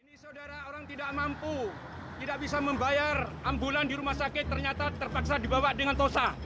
ini saudara orang tidak mampu tidak bisa membayar ambulan di rumah sakit ternyata terpaksa dibawa dengan tosa